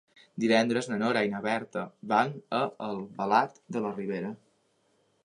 Divendres na Nora i na Berta van a Albalat de la Ribera.